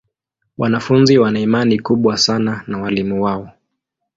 Wanafunzi wana imani kubwa sana na walimu wao.